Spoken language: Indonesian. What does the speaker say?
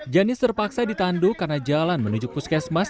janis terpaksa ditandu karena jalan menuju puskesmas